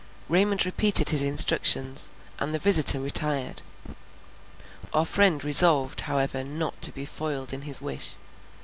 Raymond repeated his instructions, and the visitor retired. Our friend resolved however not to be foiled in his wish.